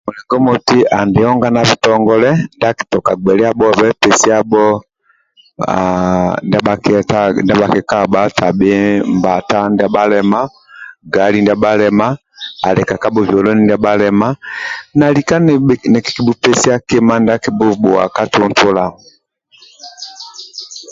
Mulingo moti ali onga na bitongole ndia akitoka gbeliabhobe pesiabho ndia bhakikabha tabhi mbata ndia bhalema, gali ndiasu bhalema na lika nikikibhupesia kima ndia akibhubhuwa ka tuntula.